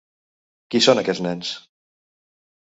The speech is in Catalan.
Qui són aquests nens?